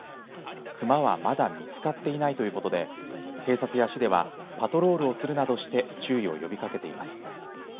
クマはまだ見つかっていないということで警察や市ではパトロールをするなどして注意を呼びかけています。